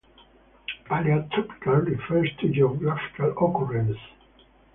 Palaeotropical refers to geographical occurrence.